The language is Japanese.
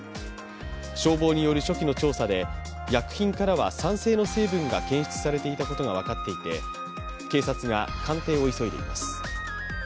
消防による初期の調査で薬品からは酸性の成分が検出されたことが分かっていて、警察が鑑定を急いでいます。